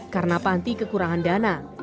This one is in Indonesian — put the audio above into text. karena panti kekurangan dana